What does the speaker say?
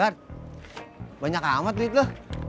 gat banyak amat lihat lo